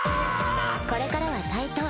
これからは対等。